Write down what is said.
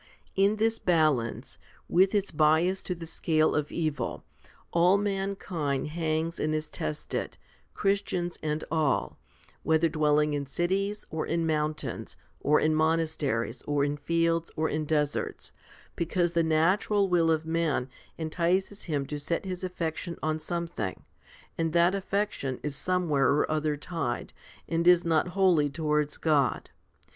In this balance, with its bias to the scale of evil, all mankind hangs and is tested, Christians and all, whether dwelling in cities, or in mountains, or in monasteries, or in fields, or in deserts ; because the natural will of man entices him to set his affection on something, and that affection is somewhere or other tied, and is not wholly towards God.